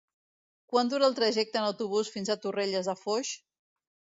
Quant dura el trajecte en autobús fins a Torrelles de Foix?